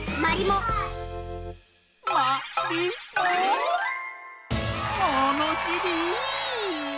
ものしり！